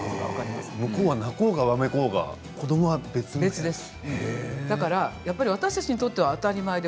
向こうは泣こうがわめこうが子どもは別なんですね。